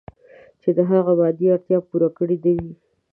چې د هغه مادي اړتیاوې پوره کړې نه وي.